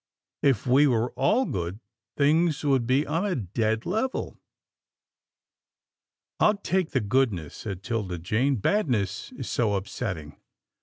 "If we were all good, things would be on a dead level." " I'd take the goodness," said 'Tilda Jane. " Badness is so upsetting."